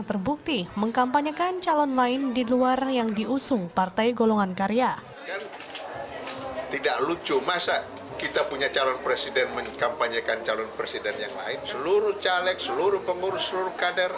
bertempatan dengan haul gusdur